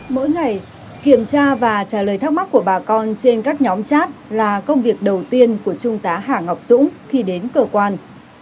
mỗi ngày kiểm tra và trả lời thắc mắc của bà con trên các nhóm chat là công việc đầu tiên của trung tá hà ngọc dũng khi đến cơ quan